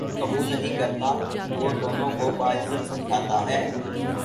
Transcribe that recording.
قبول نہیں کرتا وہ دونوں کو باعزت سمجھتا ہے